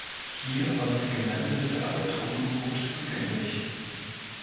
Hier war das Gelände für alle Truppen gut zugänglich.